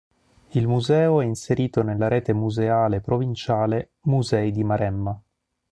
Il museo è inserito nella rete museale provinciale "Musei di Maremma".